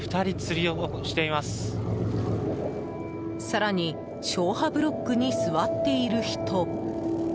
更に消波ブロックに座っている人。